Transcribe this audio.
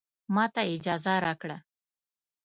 ماته اجازه راکړه